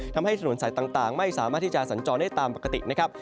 ทำให้ถนนสายต่างไม่สามารถที่จะสัญจรได้ตามปกตินะครับ